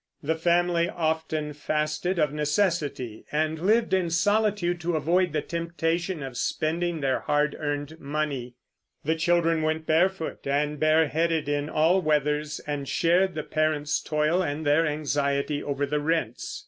The family often fasted of necessity, and lived in solitude to avoid the temptation of spending their hard earned money. The children went barefoot and bareheaded in all weathers, and shared the parents' toil and their anxiety over the rents.